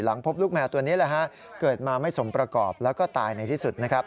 หลังพบลูกแมวตัวนี้เกิดมาไม่สมประกอบแล้วก็ตายในที่สุด